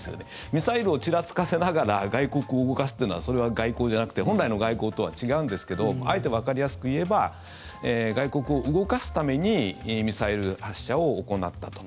ミサイルをちらつかせながら外国を動かすというのはそれは外交じゃなくて本来の外交とは違うんですけどあえてわかりやすく言えば外国を動かすためにミサイル発射を行ったと。